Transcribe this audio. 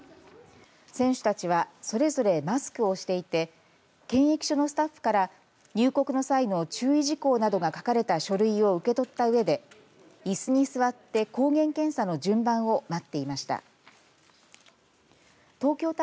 選手たちは、それぞれマスクをしていて検疫所のスタッフから入国の際の注意事項などが書かれた書類を受け取ったうえでいすに座って、抗原検査の順番を待っていました。